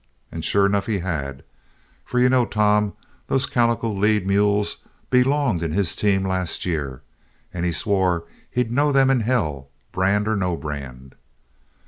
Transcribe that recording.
And sure enough he had; for you know, Tom, those calico lead mules belonged in his team last year, and he swore he'd know them in hell, brand or no brand.